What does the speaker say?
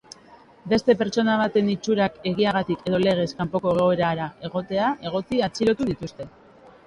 Beste pertsona baten itxurak egiteagatik edo legez kanpoko egoera egotea egotzita atxilotu dituzte.